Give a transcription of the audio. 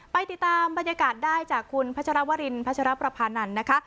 ไปติดตามบรรยากาศได้จากคุณพัชรวรินพัชรประพานันทร์นะคะ